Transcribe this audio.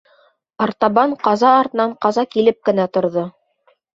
Артабан ҡаза артынан ҡаза килеп кенә торҙо.